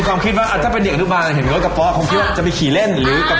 คงคิดว่าจะไปขี่เล่นหรือกับเพื่อน